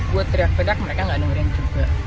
gue teriak teriak mereka gak dengerin juga